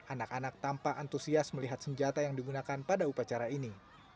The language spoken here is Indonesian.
anak anak tampak antusias melihat senjata yang digunakan pada upacara ini